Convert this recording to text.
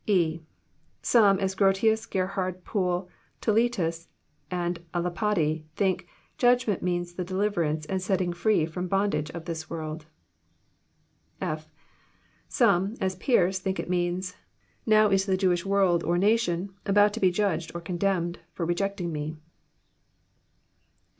(e) Some, as Grotius, Gerhard, Poole, Toletus, and a Lapide, think judgment" means the deliverance, and setting free from bondage, of this world. (/) Some, as Pearce, think it means, " Now is the Jewish world or nation about to be Judged or condemned for rejecting Me."